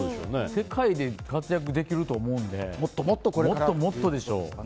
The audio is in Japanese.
世界で活躍できると思うのでもっともっとでしょう。